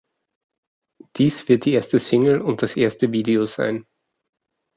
Dies wird die erste Single und das erste Video sein.